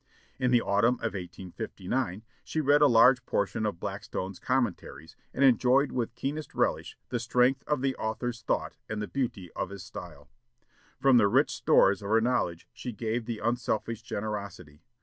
In the autumn of 1859 she read a large portion of Blackstone's 'Commentaries,' and enjoyed with keenest relish the strength of the author's thought and the beauty of his style. From the rich stores of her knowledge she gave with unselfish generosity.